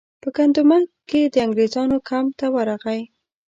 په ګندمک کې د انګریزانو کمپ ته ورغی.